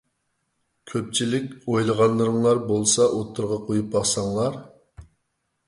كۆپچىلىك ئويلىغانلىرىڭلار بولسا ئوتتۇرىغا قويۇپ باقساڭلار!